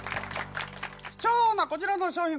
貴重なこちらの商品